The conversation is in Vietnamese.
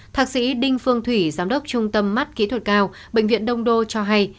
thạc sĩ đinh phương thủy giám đốc trung tâm mắt kỹ thuật cao bệnh viện đông đô cho hay